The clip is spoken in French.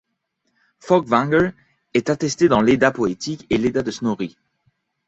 Fólkvangr est attesté dans l'Edda poétique et l'Edda de Snorri.